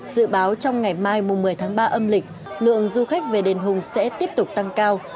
dự báo trong ngày mai một mươi tháng ba âm lịch lượng du khách về đền hùng sẽ tiếp tục tăng cao